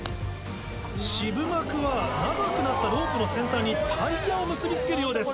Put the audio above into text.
渋幕は長くなったロープの先端にタイヤを結び付けるようです。